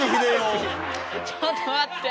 ちょっとまって！